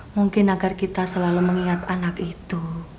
mungkin agar kita selalu mengingat anak itu